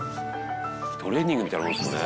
「トレーニングみたいなもんですもんね」